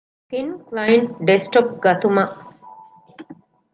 ތިން ކްލައިންޓް ޑެސްކްޓޮޕް ގަތުމަށް